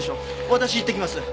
私行ってきます。